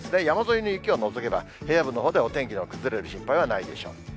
山沿いの雪を除けば平野部のほうではお天気の崩れる心配はないでしょう。